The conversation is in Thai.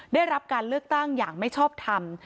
ได้รับการเลือกตั้งอย่างไม่ชอบทำ